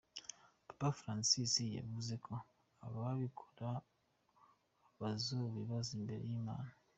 Papa Francis yavuze ko ababikora bazobibaza imbere y'Imana.